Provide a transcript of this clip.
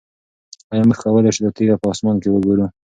آیا موږ کولی شو دا تیږه په اسمان کې وګورو؟